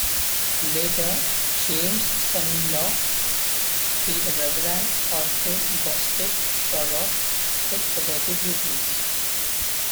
Later James' son-in-law the Reverend Arthur Gostick Shorrock took over the duties.